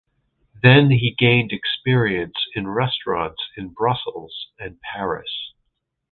Then he gained experience in restaurants in Brussels and Paris.